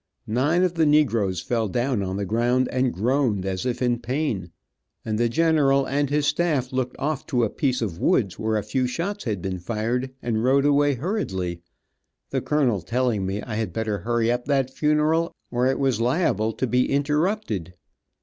Nine of the negroes fell down on the ground and groaned as if in pain, and the general and his stall looked off to a piece of woods where a few shots had been fired, and rode away hurriedly, the colonel telling me I had better hurry up that funeral or it was liable to be interrupted.